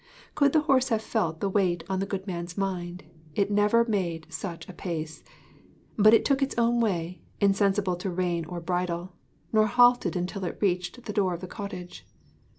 Could the horse have felt the weight on the good man's mind, it had never made such a pace. But it took its own way, insensible to rein or bridle; nor halted until it reached the door of the cottage.